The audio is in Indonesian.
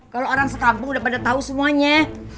kalau orang sekampung udah pada tahu semuanya